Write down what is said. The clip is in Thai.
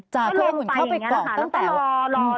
จ้ะคุณอังุ่นเข้าไปกรอกตั้งแต่ว่า